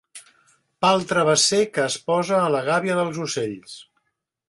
Pal travesser que es posa a la gàbia dels ocells.